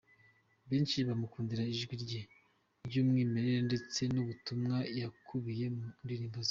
Benshi bamukundira ijwi rye ry’umwimerere ndetse n’ubutumwa bukubiye mu ndirimbo ze.